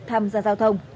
tham gia giao thông